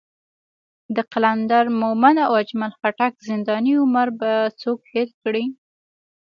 د قلندر مومند او اجمل خټک زنداني عمر به څوک هېر کړي.